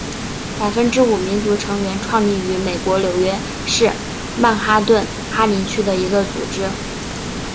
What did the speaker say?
百分之五民族成员创立于美国纽约市曼哈顿哈林区的一个组织。